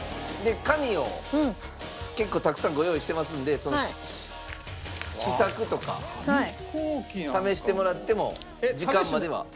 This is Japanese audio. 紙を結構たくさんご用意してますんで試作とか試してもらっても時間までは。